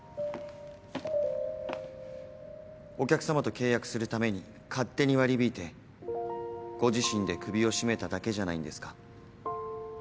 お客様と契約するために勝手に割り引いてご自身で首を絞めただけじゃないんですか？